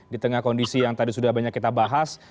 di tengah kondisi yang tadi sudah banyak kita bahas